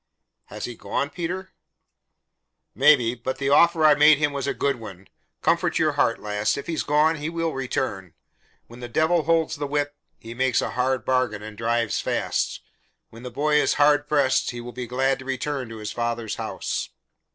"Has he gone, Peter?" "Maybe, but the offer I made him was a good one. Comfort your heart, lass. If he's gone, he will return. When the Devil holds the whip, he makes a hard bargain, and drives fast. When the boy is hard pressed, he will be glad to return to his father's house."